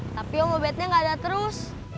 tapi obatnya nggak ada terus